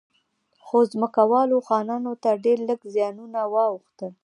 خو ځمکوالو خانانو ته ډېر لږ زیانونه واوښتل.